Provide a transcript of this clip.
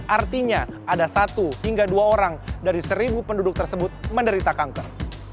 artinya ada satu hingga dua orang dari seribu penduduk tersebut menderita kanker